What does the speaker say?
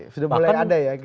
sudah mulai ada ya